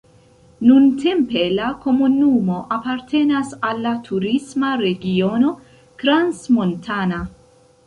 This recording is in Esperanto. Nuntempe la komunumo apartenas al la turisma regiono Crans-Montana.